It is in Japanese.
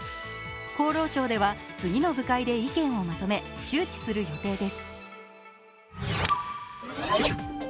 厚労省では次の部会で意見をまとめ周知する予定です。